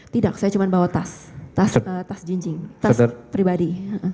tidak saya cuma bawa tas tas tas jinjing tas pribadi